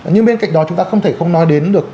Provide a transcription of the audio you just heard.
nhưng bên cạnh đó chúng ta không thể không nói đến được